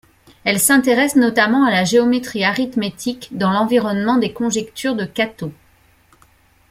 Elle s'intéresse notamment à la géométrie arithmétique, dans l'environnement des conjectures de -Kato.